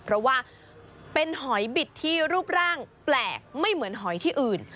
เพราะว่าเป็นหอยบิดที่รูปร่างแปลกไม่เหมือนหอยที่อื่น